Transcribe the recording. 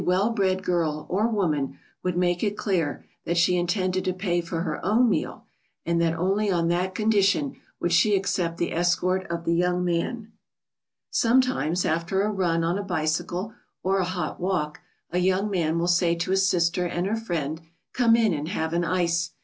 ] A really well bred girl or woman would make it clear that she intended to pay for her own meal, and that only on that condition would she accept the escort of the young man. [Sidenote: On taking advantage of a man's generosity.] Sometimes after a run on a bicycle or a hot walk, a young man will say to his sister and her friend, "Come in and have an ice."